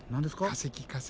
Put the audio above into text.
化石化石。